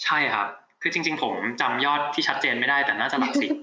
ใช่ครับคือจริงผมจำยอดที่ชัดเจนไม่ได้แต่น่าจะหลัก๑๐